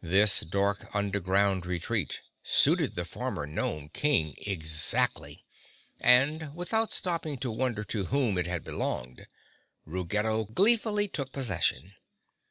This dark, underground retreat suited the former Gnome King exactly and, without stopping to wonder to whom it had belonged, Ruggedo gleefully took possession.